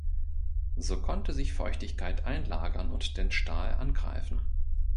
So konnte sich Feuchtigkeit einlagern und den Stahl angreifen.